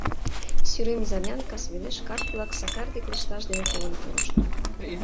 Сӱрем изарнян кас велеш карт-влак Сакар дек «лышташ» дене толын пурышт.